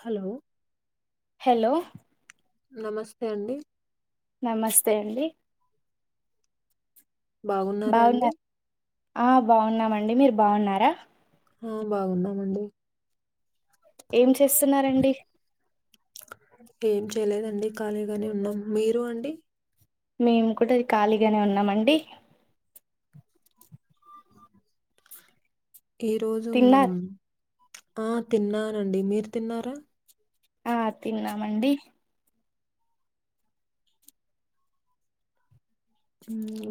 Hello hello నమస్తే అండి నమస్తే అండి బాగున్నారా అండి బాగున్నా ఆ బాగున్నామండి మీరు బాగున్నారా ఆ బాగున్నామండి ఏం చేస్తున్నారండి ఏం చేయలేదండి ఖాళీగానే ఉన్నాం మీరు అండి మేము కూడా ఖాళీగానే ఉన్నామండి ఈ రోజు మనం తిన్నారు ఆ తిన్నానండి మీరు తిన్నారా ఆ తిన్నామండి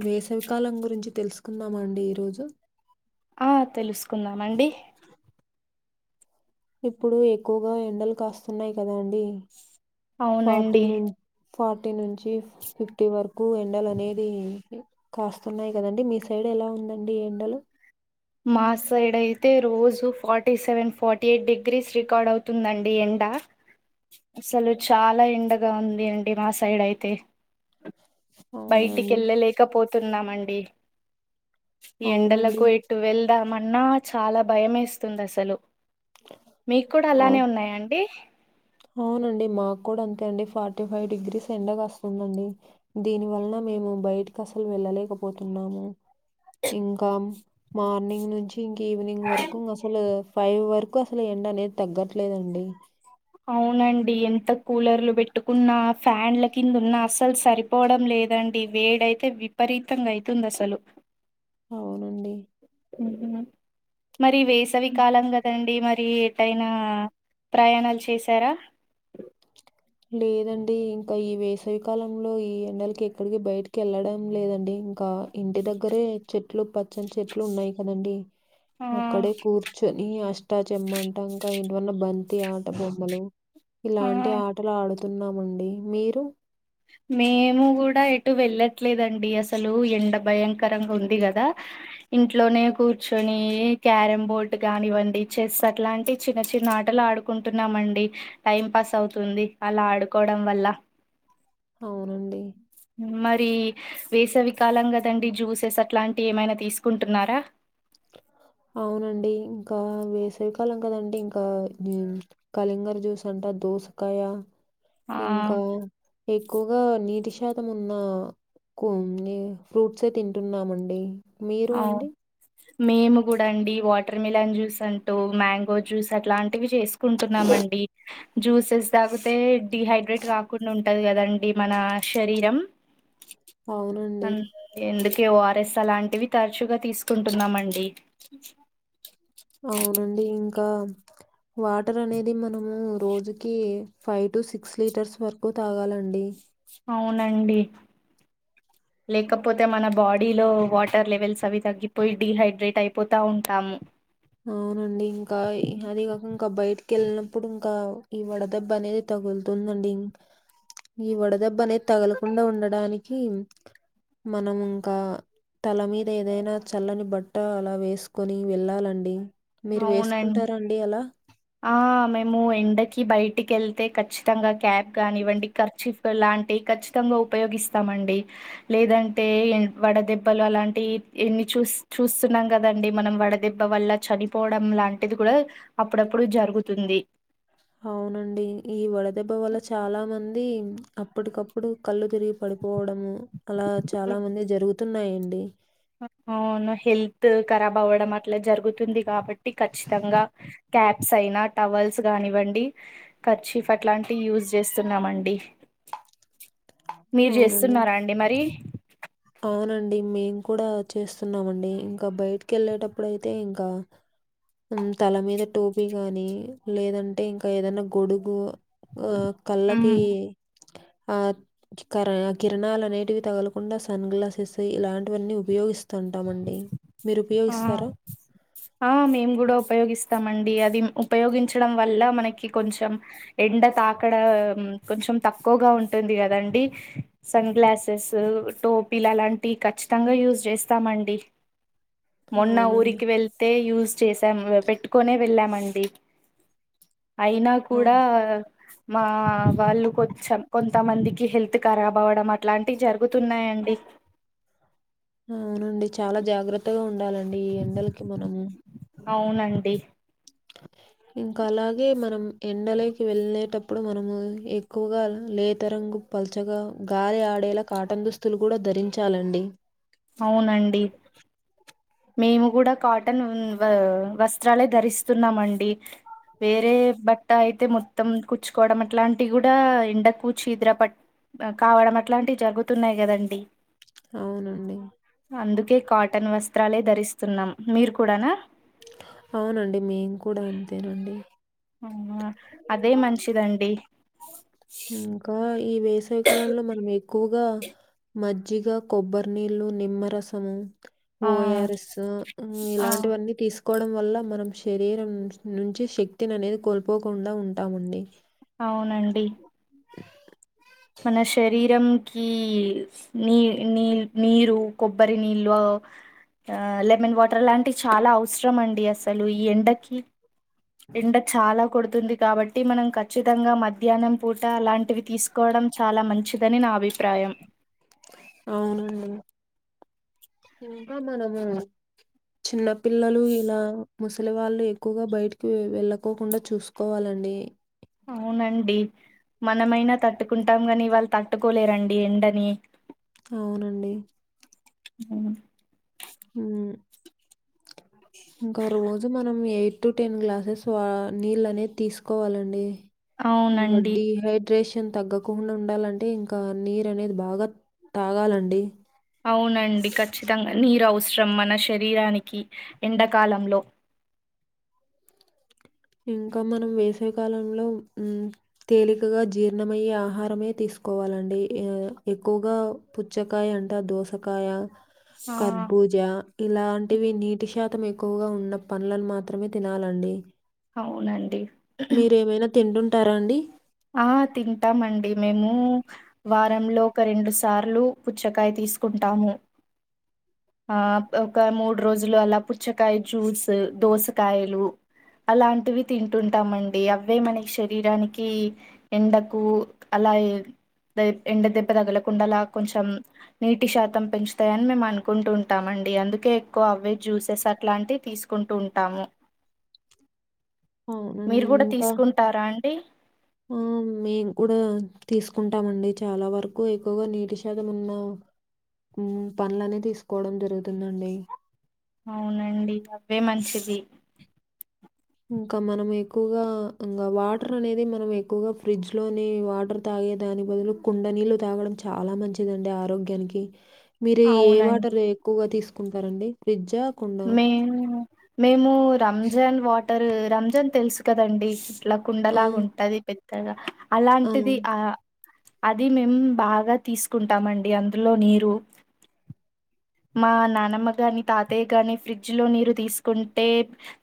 వేసవికాలం గురించి తెలుసుకుందామ అండి ఈరోజు అ తెలుసుకున్నాదా మండి ఇప్పుడూ ఎక్కువగా ఎండలు కాస్తున్నాయి కదా అండి ఫార్టీ అవునండి ఫార్టీ నుంచి ఫిఫ్టీ వరకు ఎండలు అనేది కాస్తున్నాయి కదండి మీ సైడ్ ఎలా ఉందండి ఎండలు మా సైడ్ అయితే రోజు forty seven forty eight degrees record అవుతుందండి ఎండ అసలు చాలా ఎండగా ఉంది అండి మా సైడ్ అయితే బయటికి అవునండి ఎళ్ళలేకపోతున్నామండి అవునండి ఎండలకు ఎటు వెళ్దామన్నా చాలా భయమేస్తుందసలు మీకు కూడా అవు అలానే ఉన్నాయండి అవునండి మాకు కూడా అంతే అండి ఫార్టీ ఫైవ్ డిగ్రీస్ ఎండగాస్తుందండి దీని వలన మేము బయటకి అసలు వెళ్ళలేకపోతున్నాము ఇంకా మార్నింగ్ నుంచి ఇంకీవినింగ్ వరకు అసలు ఫై వరకు అసలు ఎండ అనేది తగ్గట్లేదండి అవునండి ఎంత కూలర్లు పెట్టుకున్నా ఫ్యాన్ల కింద ఉన్నా అసలు సరి పోవడం లేదండి వేడైతే విపరీతంగా అవుతుంది అసలు అవునండి మరి వేసవికాలం కదండి అది మరి ఎటైనా ప్రయాణాలు చేసారా లేదండీ ఇంకా ఈ వేసవి కాలంలో ఈ ఎండలకి ఎక్కడికి బయటకెళ్ళడం లేదండి ఇంకా ఇంటి దగ్గరే చెట్లు పచ్చని చెట్లు ఉన్నాయి కదండీ ఆ అక్కడే కూర్చొని అష్టా చెమ్మా అంటా ఇంకా ఎంటివన్నా బంత్ ఆట బొమ్మలు ఆ ఇలాంటి ఆటలు ఆడుతున్నామండి మీరు మేము కూడా ఎటు వెళ్ళట్లేదండి అసలు ఎండ భయంకరంగా ఉంది కదా ఇంట్లోనే కూర్చొనీ క్యారం బోర్డ్ కానివ్వండి చెస్ అట్లాంటి చిన్న చిన్న ఆటలు ఆడు ఆడుకుంటున్నామండి టైం పాస్ అవుతుంది అలా ఆడుకోవడం వల్ల అవునండి మరి వేసవికాలం కదండి జ్యూసెస్ అట్లాంటివి ఏమైనా తీసుకుంటున్నారా అవునండీ ఇంకా వేసవి కాలం కదండి ఇంకా మేము కలింగర జ్యూస్ అంటా దోసకాయ ఆ ఇంకా ఎక్కువగా నీటి శాతం ఉన్న కొన్ని ఫ్రూట్సే తింటున్నామండి మీరు అవు అండి మేము కూడా అండి వాటర్ మిలన్ జ్యూస్ అంటూ మ్యాంగో జ్యూస్ అట్లాంటివి చేసుకో కుంటున్నామండి జ్యూసెస్ తాగితే డిహైడ్రేట్ కాకుండా ఉంటంది కదండి మన శరీరం అవునండి. ఎందుకే ఓఆర్ఎస్ అలాంటివి తరచుగా తీసుకుంటున్నామండి అవునండి ఇంకా వాటర్ అనేది మనము రోజుకి ఫైవ్ టు సిక్స్ లీటర్స్ వరకు తాగాలండి అవునండి అవున లేకపోతే మన బాడీలో వాటర్ లెవెల్స్ అవి తగ్గిపోయి డిహైడ్రేట్ అయిపోతా ఉంటాము అవునండి ఇంకా అది కాక ఇంకా బయటికి వెళ్ళినప్పుడు ఇంకా ఈ వడదెబ్బ అనేది తగులుతుందండి ఈ వడదెబ్బ అనేది తగలకుండా ఉండడానికి మనము ఇంకా తల మీద ఏదైనా చల్లని బట్ట అలా వేసుకొని వెళ్ళాలండి మీరు అవునం వేసుకుంటారా అండి అలా? ఆ మేము ఎండకి బయటికి వెళ్తే ఖచ్చితంగా క్యాప్ కానివ్వండి కర్చిఫ్ లాంటివి ఖచ్చితంగా ఉపయోగిస్తామండి లేదంటే వడదెబ్బలు అలాంటి ఎన్ని చూస్ చూస్తున్నాం కదండి మనం వడ వడదెబ్బ వల్ల చనిపోవడం లాంటిది కూడా అప్పుడప్పుడు జరుగుతుంది అవునండి ఈ వడదెబ్బ వల్ల చాలా మంది అప్పటికప్పుడు కళ్ళు తిరిగి పడిపోవడము అలా ఉమ్, చాలామందికి జరుగుతున్నాయండి అవును హెల్త్ కరాబ్ అవ్వడం అట్లా జరుగుతుంది కాబట్టి ఖచ్చితంగా క్యాప్స్ అయినా టవల్స్ కానివ్వండి కర్చీఫ్ అట్లాంటివి యూజ్ చేస్తున్నామండి మీరు అవునండి. చేస్తున్నారా అండి మరి అవునండి మేము కూడా చేస్తున్నామండి ఇంకా బయటికి వెళ్ళేటప్పుడు అయితే ఇంకా తల మీద టోపీ గాని లేదంటే ఇంకా ఏదన్నా గొడుగు ఆ కళ్ళకి హ్మ్ ఆ క కిరణాలు అనేటివి తగలకుండా సన్ గ్లాసెస్ ఇలాంటివన్నీ ఉపయోగిస్తా తంటామండి మీరు ఆ ఉపయోగిస్తారా ఆ మేము కూడా ఉపయోగిస్తామండీ అది ఉపయోగించడం వల్ల మనకి కొంచం ఎండ తాకడాం కొంచెం తక్కువగా ఉంటుంది గదండి సన్ గ్లాసెస్ టోపీలు అలాంటి కఖచ్చితంగా యూజ్ చేస్త ఇస్తామండి మొన్న అవునండి. ఊరికి వెళ్ ఏ యూజ్ చేసాం పెట్టుకోనే వెళ్ళామండి అయినా ఆ! కూడా మా వాళ్ళు కొంచెం కొంతమందికి హెల్త్ రాబ్ అవ్వడం అట్లాంటివి జరుగుతున్నాయండి అవునండి చాలా జాగ్రత్తగా ఉండాలండి ఈ ఎండలకి మనము అవునండి ఇంకా అలాగే మనం ఎండలోకి వెళ్ళేటప్పు అప్పుడు మనము ఎక్కువగా లేత రంగు పల్చగా గాలి ఆడేలా కాటన్ దుస్తు దుస్తులు కూడా ధరించాలండి అవునండి మేము కూడా కాటన్ వ వస్త్రాలే ధరిస్తున్నామండి వేరే బట్ట అయితే మొత్తం కుచ్చుకోవడం అట్లాంటివి కూడా ఎండకు చీదర పట్ కావడం అట్లాంటివి జరుగుతున్నాయి కదండి అవున అందుకే కాటన్ వస్త్రాలే ధరిస్తున్నాం మీరు కూడానా అవునండి మేం కూడా అంతేనండి ఆ అదే మంచిదండి ఇంకా ఈ వేసవికాలంలో మనమే ఎక్కువగా మజ్జిగ కొబ్బరి నీళ్ళు నిమ్మరసము ఆ ఓయర్ఎస్ ఆ ఇలాంటివన్నీ తీసుకు కోవడం వల్ల మనం శరీరం నుంచి శక్తిని అనేది కోల్పోకుండా ఉంటామండి అవునండి మన శరీరం కీస్ నీ నీల్ నీరు కొబ్బరి నిల్వ ఆ లెమన్ వాటర్ లాంటివి చాలా అవసరం అండి అసలు ఈ ఎండకి ఎండ చాలా కోడుతుంది కాబట్టి మనం ఖచ్చితంగా మధ్యాహ్నం పూట అలాంటివి తీసుక్ కోవడం చాలా మంచిదని నా అభిప్రాయం అవునండి [unintelligible] చిన్న పిల్లలు ఇలా ముసలి వాళ్ళు ఎక్కువగా బయటకి వెళ్ళకోకుండా చూసుకోవాలండి అవునండి మనమైనా తట్టుకుంటాం కాని వాళ్ళు తట్టుకోలేరండి ఎండని అవునండి అవును ఇంకో రోజు మనం ఎయిట్ టు టెన్ గ్లాసెస్ వా నీళ్లు అనేది తీసుకోవాలండి ఇంగా అవునండి డీ హై ట్రేషన్ తగ్గకుండా ఉండాలంటే ఇంకా నీరు అనేది బాగా తాగాలండి అవునండి ఖచ్చితంగా నీరు అవసరం మన శరీరానికి ఎండాకాలంలో ఇంకా మనం వేసవి కాలంలో ఉమ్ తేలికగా జీర్ణమయ్యే ఆహారమే తీసుకోవాలండి యా ఎక్కువగా పుచ్చకాయ అంట దోసకాయ ఆ కర్బూజ ఇలాంటివి నీటి శాతం ఎక్కువగా ఉన్న పండ్లను మాత్రమే తినాలండి అవునండి మీరు ఏమైనా తింటుంటారా అండి ఆ తింటామండి మేము వారంలో ఒక రెండు సార్లు పుచ్చకాయ్ తీసుకుంటాము. ఆ ప్ ఒక మూడు రోజులు అలా పుచ్చకాయ జ్యూస్ దోసకాయలు అలాంటివి తింటుంటామండి అవే మనకి శరీరానికి ఎండకు అలాయే దెబ్ ఎండ దెబ్బ తగలకుండా అలా కొంచెం నీటి శాతం పెంచుతాయని మేము అనుకుంటు ఉంటాం అండి అందుకే ఎక్కువ అవే జ్యూసెస్ అలాంటివి తీస్ కుంటూ ఉంటాము అవునండి మీరు కూడా ఇంకా తీసుకుంటారా అండి ఆ మేము కూడా తీసుకుంటామండి చాలా వరకు ఎక్కువగా నీటి శా యదము ఉన్న ఉమ్ పండ్లనే తీసుకోవడం జరుగుతుందండి. అవునండి అవే మంచిది ఇంకా మనం ఎక్కువగా ఇంగా వాటర్ అనేది మనం ఎక్కువగా ఫ్రిడ్జ్ లోని వాటర్ తాగే దాని బదులు కుండ నీళ్లు తాగడం చాలా మంచిదండి ఆరోగ్యానికి. మీరు ఏ అవునండి వాటర్ ఎక్కువగా తీసుకుంటారండి ఫ్రిడ్జా కుండ? మేము మేము రంజాన్ వాటరు రంజాన్ తెలుసు కదండి ఇట్లా ఆ! కుండలాగా ఉంటది పెద్దగా అలాంటిది ఆ అది మేము బాగా తీసుకుంటామండి అందులో నీరు మా నానమ్మ గాని తాతయ్య గాని ఫ్రిడ్జ్ లో నీరు తీసుకుంటే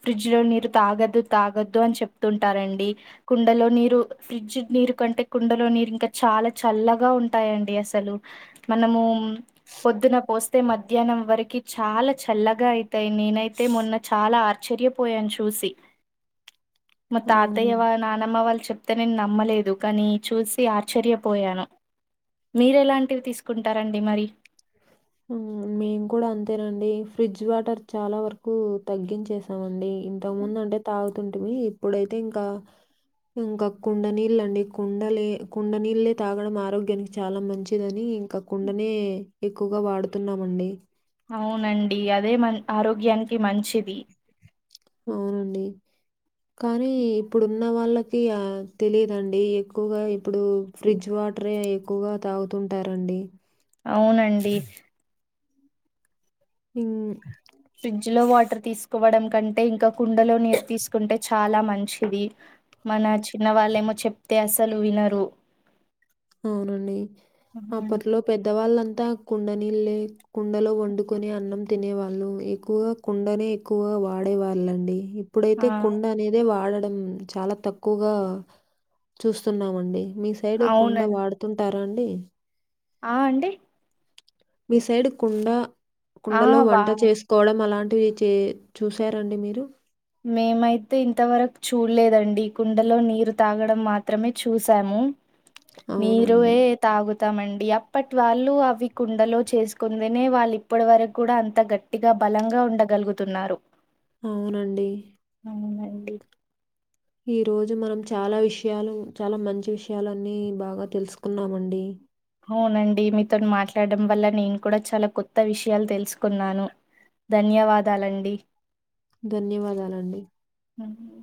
ఫ్రిడ్జ్ లో నీరు తాగద్దు తాగద్దు అని చెప్తు ఉంటారండి. కుండలో నీరు ఫ్రిడ్జ్ నీరు కంటే కుండలో నీరు ఇంకా చాలా చల్లగా ఉంటాయండి అసలు. మనము పొద్దునా పోస్త్ తే మధ్యాహ్నం వరకి చాలా చల్లగా అయితాయి, నేనైతే మొన్న చాలా ఆశ్చర్యపోయాను చూసి. మా తాతయ్య అవునండి. వా నానమ్మ వాళ్ళు చెప్ ప్తే నేను నమ్మలేదు కానీ చూసి ఆశ్చర్యపోయాను మీరేలాంటివి తీసుకుంటారండి మరి ఉ మేము కూడా అంతేనండి ఫ్రిడ్జ్ వాటర్ చాలా వరకు తగ్గించేసామండి. ఇంతకా ముందు అంటే తాగుతుంటిమి ఇప్పుడైతే ఇంకా ఇంకా కుండ నీళ్ళండి కుండలే కుండ నీళ్లే తాగడం ఆరోగ్యానికి చాలా మంచిదని ఇంకా కుండానే ఎక్కువగా వాడుతున్నమండి అవునండి అదే మన్ ఆరోగ్యానికి మంచిది వునండి కానీ ఇప్పుడున్న వాళ్ళకి ఆ తెలిదండి ఎక్కువగా ఇప్పుడు ఫ్రిడ్జ్ వాటరే ఎక్కువగా తాగుతుంటారండి అవునండి ఇన్ ఫ్రిడ్జ్ లో వాటర్ తీసుకోవడం కంటే ఇంకా కుండలో నీరు తీసుకుంటే చాలా మంచిది. మన చిన్న వాళ్ళేమో చెప్తే అసలు వినరు అవునండి ఆహా. అప్పట్లో పెద్దవాళ్ళంతా కుండ నీళ్లే కుండలో వండుకొనే అన్నం తినే వాళ్ళు ఎక్కువగా కుండనే ఎక్కువగా వాడే వాళ్ళండి ఇప్ ఆ ఇప్పుడైతే కుండ అనేదే వాడడం చాలా తక్కువగా చూస్తున్నామండి మీ సైడు అవునం వాడుతుంటారా అండి ఆ అండి. మీ సైడ్ కుండ ఆ కుండలో వా వంట చేస్ కోడం అలాంటివి చే చూసారండి మీరు? మేమైతే ఇంతవరకు చూడలేదండి, కుండలో నీరు తాగడం మాత్రమే చూసాము. నీరు అవునండి. ఏ తాగుతామండి, అప్పటి వాళ్ళు అవి కుండలో చేసుకుంగనే వాళ్ళు ఇప్పటి వరకు కూడా అంత గ ట్టిగా బలంగా ఉండగలుగుతున్నారు. అవునండి. అవునండి. ఈ రోజు మనం చాలా విషయాలు చాలా మంచి విషయాలన్నీ బాగా తెలుసుకున్నామండి. అవునండి మీతో మాట్లాడడం వల్ల నేను కూడా చాలా కొత్త విషయాలు తెలుసుకున్నాను. ధన్యవాదాలండి. ధన్యవాదాలండి. అది